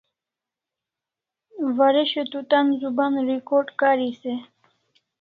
Waresho tu tan zubanan record karis e?